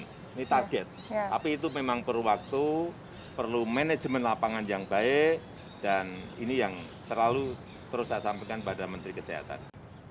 ini target tapi itu memang perlu waktu perlu manajemen lapangan yang baik dan ini yang selalu terus saya sampaikan pada menteri kesehatan